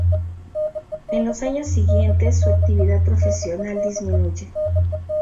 En los años siguientes su actividad profesional disminuye.